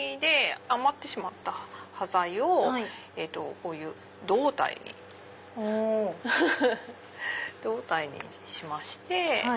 余ってしまった端材をこういう胴体にしまして。